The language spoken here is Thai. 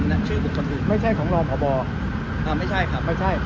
ชื่อบุคคลอื่นไม่ใช่ของรองพบอ่าไม่ใช่ครับไม่ใช่